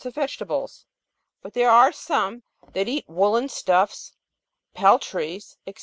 47 of vegetables ; but there are some that eat woollen stuffs, peltries, &c.